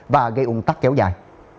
và gây ung tắc kéo dài